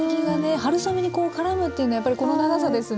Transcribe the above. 春雨にこうからむっていうのはやっぱりこの長さですね。